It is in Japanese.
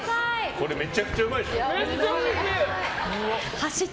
これめちゃくちゃうまいでしょ。